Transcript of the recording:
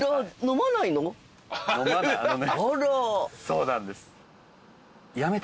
そうなんです。